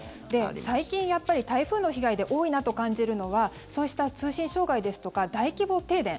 最近、やっぱり台風の被害で多いなと感じるのはそうした通信障害ですとか大規模停電。